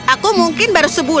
aku mungkin baru sebulan